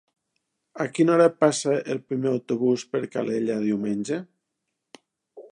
A quina hora passa el primer autobús per Calella diumenge?